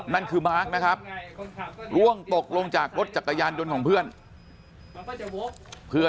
นั่นคือมาร์คนะครับร่วงตกลงจากรถจักรยานยนต์ของเพื่อนเพื่อน